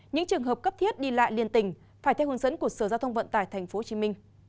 những trường hợp cấp thiết đi lại liên tỉnh phải theo hướng dẫn của sở giao thông vận tải tp hcm